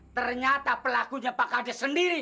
ternyata pelakunya pak kaja sendiri